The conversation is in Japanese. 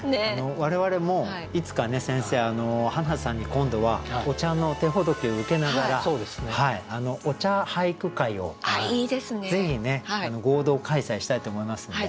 我々もいつかね先生はなさんに今度はお茶の手ほどきを受けながらお茶俳句会をぜひね合同開催したいと思いますんで。